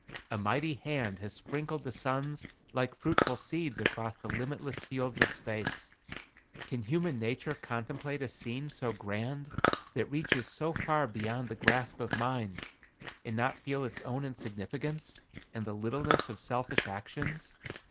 A mighty hand has sprinkled the suns like fruitful seeds across the limitless fields of space. Can human nature contemplate a scene so grand that reaches so far beyond the grasp of mind, and not feel its own insignificance, and the littleness of selfish actions?